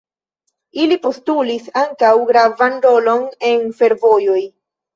Ili postulis ankaŭ gravan rolon en fervojoj.